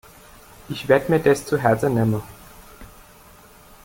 Ich werde mir das zu Herzen nehmen.